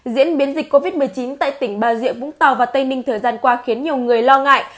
diễn biến dịch covid một mươi chín tại tỉnh bà rịa vũng tàu và tây ninh thời gian qua khiến nhiều người lo ngại